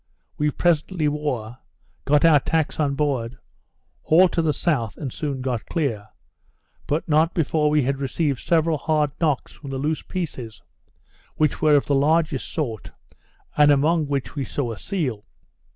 We presently wore; got our tacks on board; hauled to the south, and soon got clear; but not before we had received several hard knocks from the loose pieces, which were of the largest sort, and among which we saw a seal.